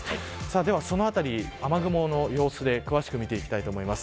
ではそのあたり雨雲の様子で詳しく見ていきます。